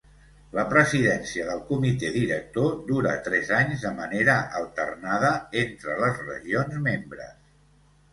La presidència del comitè director dura tres anys de manera alternada entre les regions membres.